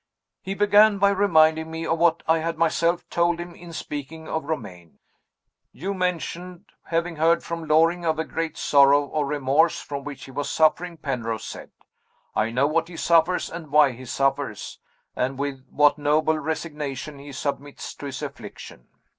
"He began by reminding me of what I had myself told him in speaking of Romayne. 'You mentioned having heard from Lord Loring of a great sorrow or remorse from which he was suffering,' Penrose said. 'I know what he suffers and why he suffers, and with what noble resignation he submits to his affliction.